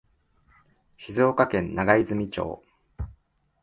静岡県長泉町